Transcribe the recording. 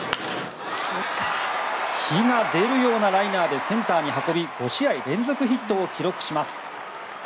火が出るようなライナーでセンターに運び５試合連続ヒットを記録します。